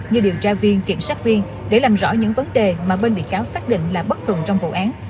như điều tra viên kiểm sát viên để làm rõ những vấn đề mà bên bị cáo xác định là bất tùng trong vụ án